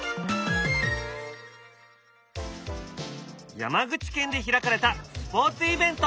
山口県で開かれたスポーツイベント。